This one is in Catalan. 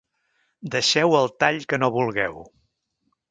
Deixeu el tall que no vulgueu.